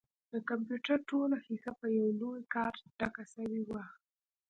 د کمپيوټر ټوله ښيښه په يوه لوى کارت ډکه سوې وه.